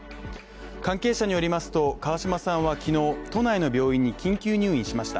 関係者によりますと、川嶋さんは昨日、都内の病院に緊急入院しました。